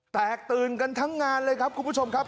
แตกตื่นกันทั้งงานเลยครับคุณผู้ชมครับ